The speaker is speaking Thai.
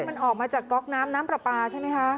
มันออกมาจากก๊อกน้ำน้ำปลาปลาใช่ไหมคะ